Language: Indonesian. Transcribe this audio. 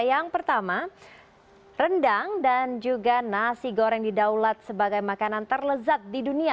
yang pertama rendang dan juga nasi goreng di daulat sebagai makanan terlezat di dunia